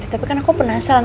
tapi kan aku penasaran